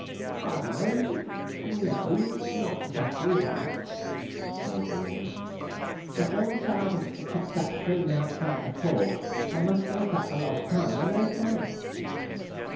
'W h y no not zactly that,' drawled the woman; 'but when sarvants are kept up three nights out of four, they must make up for lost time when they can.'